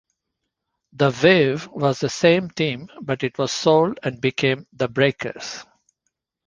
The Wave was the same team but it was sold and became the Breakers.